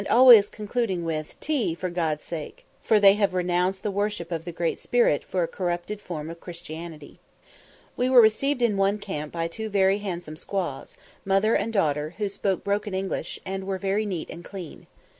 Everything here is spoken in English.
always concluding with, "Tea, for God's sake!" for they have renounced the worship of the Great Spirit for a corrupted form of Christianity. We were received in one camp by two very handsome squaws, mother and daughter, who spoke broken English, and were very neat and clean.